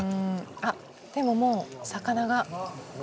あっでももう魚が。